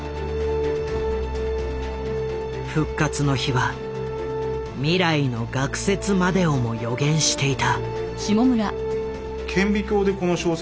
「復活の日」は未来の学説までをも予言していた。